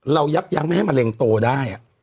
ยับยั้งไม่ให้มะเร็งโตได้